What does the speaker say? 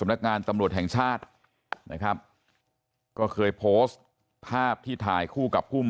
สำนักงานตำรวจแห่งชาตินะครับก็เคยโพสต์ภาพที่ถ่ายคู่กับกุ้ม